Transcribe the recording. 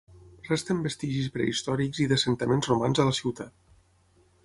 Resten vestigis prehistòrics i d'assentaments romans a la ciutat.